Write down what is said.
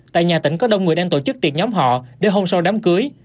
tại nhà tỉnh có đông người đang tổ chức tiệc nhóm họ để hôm sau đám cưới